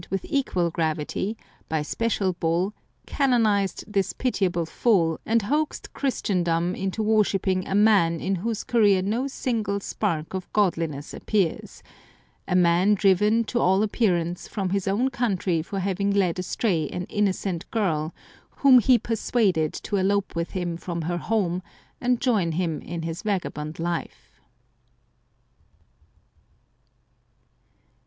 with equal gravity, by special bull, canonised this pitiable fool, and hoaxed Christen dom into worshipping a man in whose career no single spark of godliness appears ; a man driven, to all appearance, from his own country for having led astray an innocent girl, whom he persuaded to elope with him from her home, and join him in his vaga bond life.